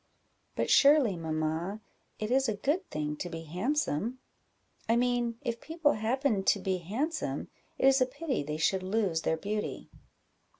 "But surely, mamma, it is a good thing to be handsome? I mean, if people happen to be handsome, it is a pity they should lose their beauty."